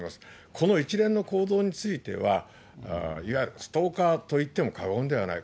この一連の行動については、いわゆるストーカーといっても過言ではない。